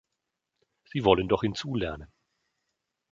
Sie wollen doch hinzulernen.